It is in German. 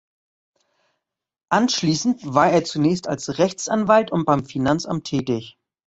Anschließend war er zunächst als Rechtsanwalt und beim Finanzamt tätig.